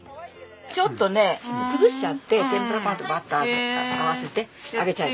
ちょっとね崩しちゃって天ぷら粉と合わせて揚げちゃえば。